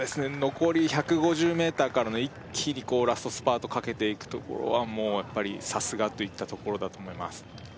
残り１５０ｍからの一気にラストスパートかけていくところはやっぱりさすがといったところだと思います